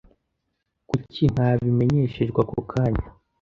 Kuki ntabimenyeshejwe ako kanya?